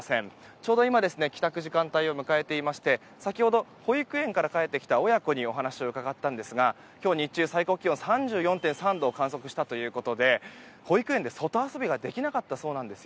ちょうど今帰宅時間帯を迎えていまして先ほど保育園から帰ってきた親子に話を伺ったんですが今日、最高気温３４．３度を観測したということで保育園で外遊びができなかったそうです。